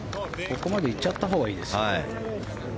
ここまで行っちゃったほうがいいです。